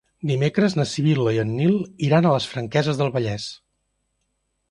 Dimecres na Sibil·la i en Nil iran a les Franqueses del Vallès.